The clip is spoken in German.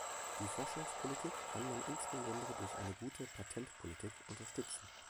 Die Forschungspolitik kann man insbesondere durch eine gute Patentpolitik unterstützen.